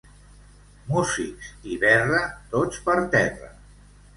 Músics i verra, tots per terra.